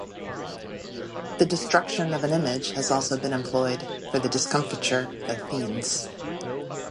The destruction of an image has also been employed for the discomfiture of fiends.